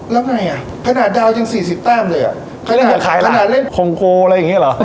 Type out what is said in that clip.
แล้วไงอ่ะขนาดดาวน์ยังสี่สิบแต้มเลยอ่ะขนาดขนาดเล่นโคมโกอะไรอย่างงี้เหรอ